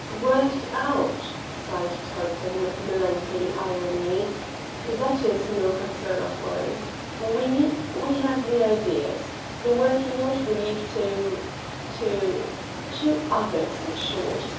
"Worked out!" sighed Tulpin with melancholy irony. "That is no concern of mine. We we have the ideas, the working out we leave to to to others, in short.